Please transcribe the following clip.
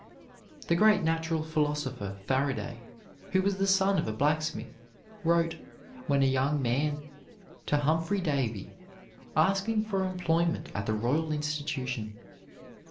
The great natural philosopher, Faraday, who was the son of a blacksmith, wrote, when a young man, to Humphry Davy, asking for employment at the Royal Institution.